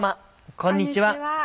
こんにちは。